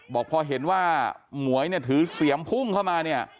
บอกพอเห็นว่าหมวยถือเสี่ยมพุ่งเข้ามา